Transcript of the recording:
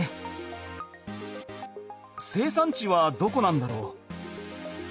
生産地はどこなんだろう。